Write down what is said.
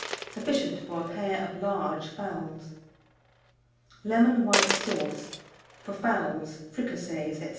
Sufficient for a pair of large fowls. LEMON WHITE SAUCE, FOR FOWLS, FRICASSEES, &c.